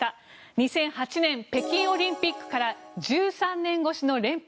２００８年北京オリンピックから１３年越しの連覇。